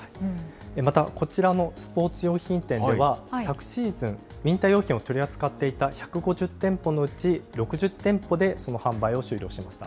またこちらのスポーツ用品店では、昨シーズン、ウインター用品を取り扱っていた１５０店舗のうち６０店舗でその販売を終了しました。